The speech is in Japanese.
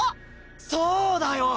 そうだよ。